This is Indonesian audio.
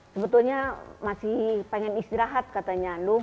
sebetulnya masih pengen istirahat katanya lum